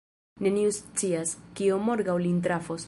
Neniu scias, kio morgaŭ lin trafos.